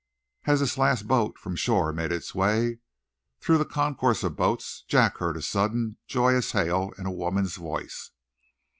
As this last boat from shore made its way, through the concourse of boats Jack heard a sudden, joyous hail in a woman's voice.